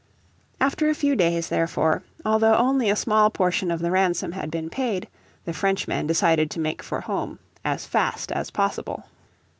After a few days, therefore, although only a small portion of the ransom had been paid, the Frenchmen decided to make for home as fast as possible.